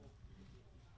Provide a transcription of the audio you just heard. pertama suara dari biasusu